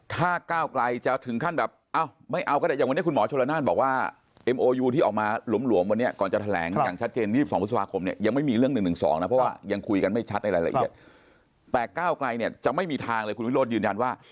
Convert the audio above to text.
แต่ก้าวไกลจะไม่มีทางเลยคุณวิธีโรนยืนยันว่า